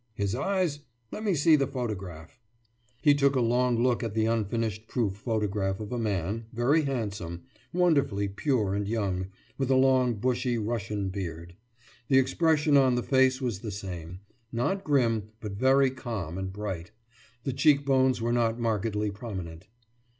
« »His eyes? Let me see the photograph.« He took a long look at the unfinished proof photograph of a man, very handsome, wonderfully pure and young, with a long bushy Russian beard. The expression on the face was the same. Not grim, but very calm and bright. The cheekbones were not markedly prominent.